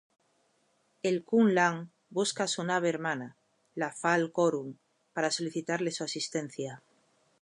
El Kuun-Lan busca a su nave hermana, la Faal-Corum, para solicitarle su asistencia.